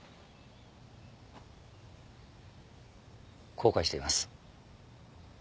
後悔しています。